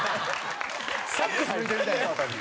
サックス吹いてるみたい。